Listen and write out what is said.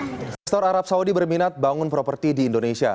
investor arab saudi berminat bangun properti di indonesia